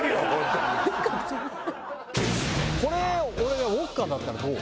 これウォッカだったらどう？